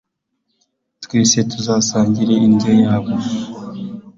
twese tuzasangire iryo yabo